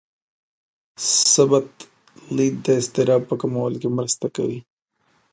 مثبت لید د اضطراب په کمولو کې مرسته کوي.